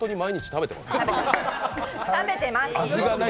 食べてます！